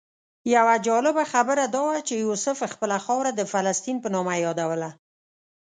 یوه جالبه خبره دا وه چې یوسف خپله خاوره د فلسطین په نامه یادوله.